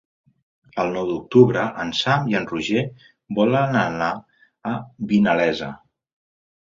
El nou d'octubre en Sam i en Roger volen anar a Vinalesa.